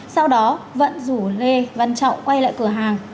sau đó vận rủ lê văn trọng quay lại cửa hàng